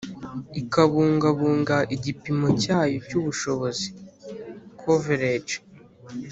ikabungabunga igipimo cyayo cy ubushobozi Coverage